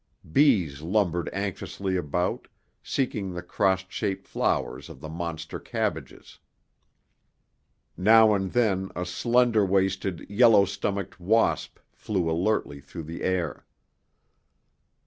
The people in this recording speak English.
Bees lumbered anxiously about, seeking the cross shaped flowers of the monster cabbages. Now and then a slender waisted, yellow stomached wasp flew alertly through the air.